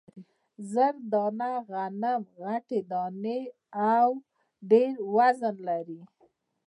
زر دانه غنم غټې دانې او ډېر وزن لري.